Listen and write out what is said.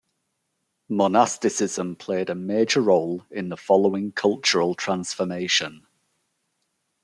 Monasticism played a major role in the following cultural transformation.